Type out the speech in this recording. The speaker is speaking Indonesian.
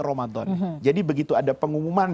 ramadan jadi begitu ada pengumuman